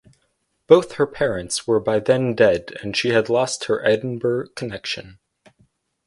Both her parents were by then dead and she had lost her Edinburgh connection.